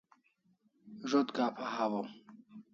Zo't kapha hawaw